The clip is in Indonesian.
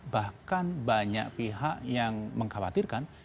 bahkan banyak pihak yang mengkhawatirkan